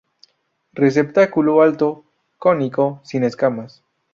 Receptáculo alto, cónico, sin escamas.